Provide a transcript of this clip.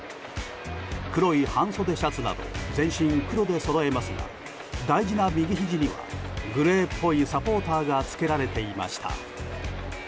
黒い半袖シャツなど全身黒でそろえますが大事な右ひじにはグレーっぽいサポーターが着けられていました。